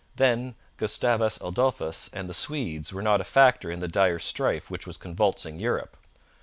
Then Gustavus Adolphus and the Swedes were not a factor in the dire strife which was convulsing Europe.